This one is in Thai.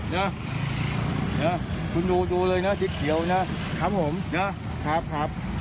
นะคุณดูดูเลยนะสีเขียวนะครับผมนะครับครับ